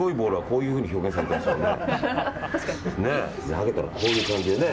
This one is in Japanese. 投げたら、こういう感じでね。